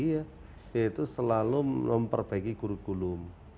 yaitu selalu memperbaiki kurikulum